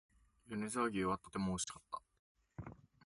米沢牛はとても美味しかった